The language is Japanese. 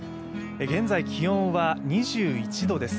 現在、気温は２１度です。